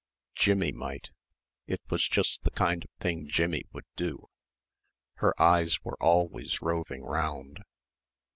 Jimmie might. It was just the kind of thing Jimmie would do. Her eyes were always roving round....